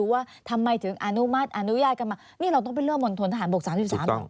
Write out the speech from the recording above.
ว่าทำไมถึงอนุมัติอนุญาตกันมานี่เราต้องไปเริ่มมณฑนทหารบก๓๓เหรอ